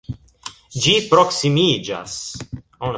Ĝi proksimiĝas.